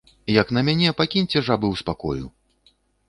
Як на мяне, пакіньце жабы ў спакою!